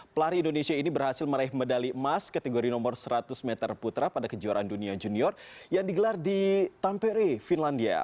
pelari indonesia ini berhasil meraih medali emas kategori nomor seratus meter putra pada kejuaraan dunia junior yang digelar di tampere finlandia